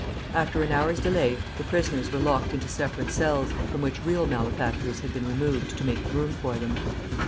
After an hour's delay the prisoners were locked into separate cells, from which real malefactors had been removed to make room for them.